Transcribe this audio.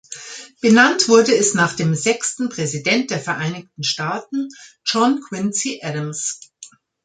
Benannt wurde es nach dem sechsten Präsident der Vereinigten Staaten, John Quincy Adams.